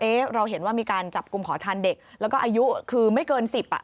เราเห็นว่ามีการจับกลุ่มขอทานเด็กแล้วก็อายุคือไม่เกินสิบอ่ะ